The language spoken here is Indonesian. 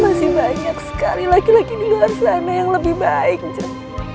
masih banyak sekali laki laki di luar sana yang lebih baik tuh